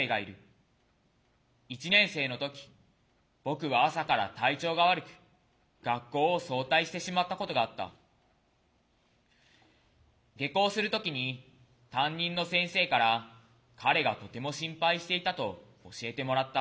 １年生の時僕は朝から体調が悪く学校を早退してしまったことがあった。下校する時に担任の先生から彼がとても心配していたと教えてもらった。